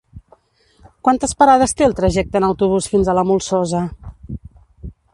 Quantes parades té el trajecte en autobús fins a la Molsosa?